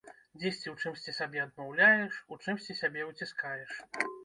Дзесьці ў чымсьці сабе адмаўляеш, у чымсьці сябе уціскаеш.